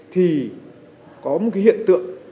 thì có một cái hiện tượng